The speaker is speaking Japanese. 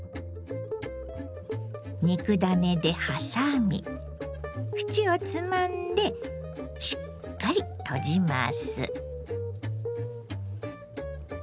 肉ダネで挟み縁をつまんでしっかり閉じます。